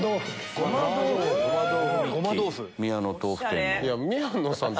宮野豆腐店の？